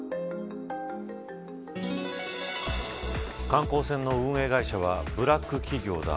観光船の運営会社はブラック企業だ。